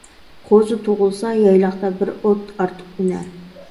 قوزا تۇغۇلسا، يايلاقتا بىر ئوت ئارتۇق ئۈنەر.